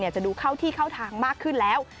จะดูเข้าที่เข้าทางมากขึ้นแล้ว